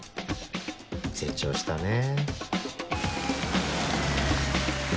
成長したねぇ。